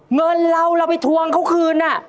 เงินเราไปทวงเค้าคืน